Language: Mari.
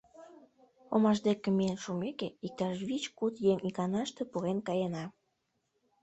Омаш деке миен шумеке, иктаж вич-куд еҥ иканаште пурен каена.